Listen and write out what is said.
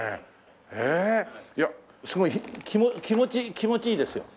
いやすごい気持ちいい気持ちいいですよ